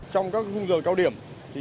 trong các khung giờ cao điểm